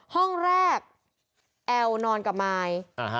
ห้องแรกแอลนอนกับมาย